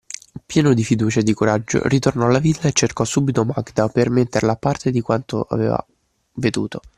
Pieno di fiducia e di coraggio, ritornò alla villa e cercò subito Magda per metterla a parte di quanto aveva veduto.